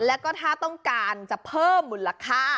แล้วก็ถ้าต้องการจะเพิ่มมูลค่า